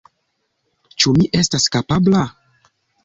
Ĉu mi estas kapabla?